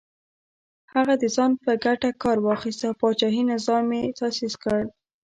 هغه د ځان په ګټه کار واخیست او پاچاهي نظام یې تاسیس کړ.